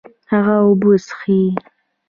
هغه اوبه څښي